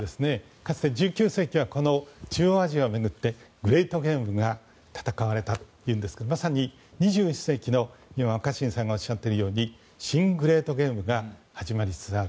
かつて１９世紀は中央アジアを巡ってグレートゲームが戦われたというんですがまさに２１世紀の若新さんがおっしゃるように新グレートゲームが始まりつつある。